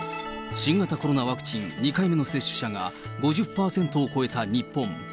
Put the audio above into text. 新型コロナワクチン２回目の接種者が５０％を超えた日本。